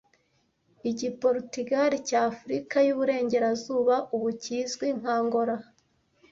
Igiporutugali cya Afrika yuburengerazuba ubu kizwi nk'Angola